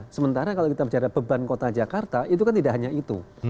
sementara kalau kita bicara beban kota jakarta itu kan tidak hanya itu